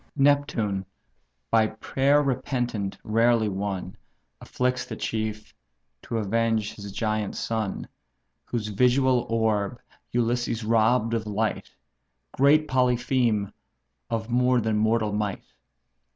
Neptune, by prayer repentant rarely won, Afflicts the chief, to avenge his giant son, Whose visual orb Ulysses robb'd of light; Great Polypheme, of more than mortal might?